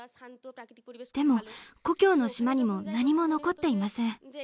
でも故郷の島にも何も残っていません。